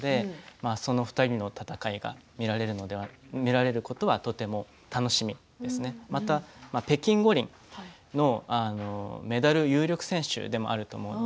その２人の戦いが見られることはとても楽しみ、また北京五輪のメダル有力選手でもあると思います。